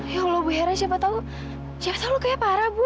ya allah bu hera siapa tahu siapa tahu lu kayak parah bu